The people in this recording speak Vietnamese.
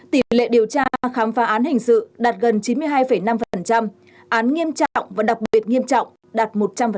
tỷ lệ điều tra khám phá án hình sự đạt gần chín mươi hai năm án nghiêm trọng và đặc biệt nghiêm trọng đạt một trăm linh